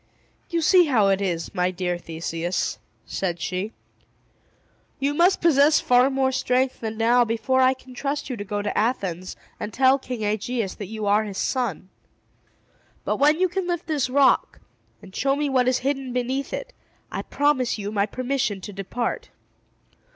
"You see how it is, my dear Theseus," said she. "You must possess far more strength than now before I can trust you to go to Athens, and tell King Aegeus that you are his son. But when you can lift this rock, and show me what is hidden beneath it, I promise you my permission to depart."